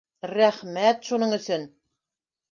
Р-рәхмәт шуның өсөн